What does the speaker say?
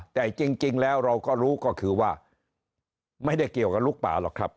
แต่จริงแล้วเราก็รู้ก็คือว่าไม่ได้เกี่ยวกับลูกป่าหรอกครับ